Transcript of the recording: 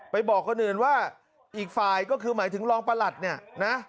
บอกคนอื่นว่าอีกฝ่ายก็คือหมายถึงรองประหลัดเนี่ยนะ